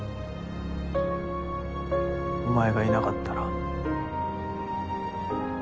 お前がいなかったら。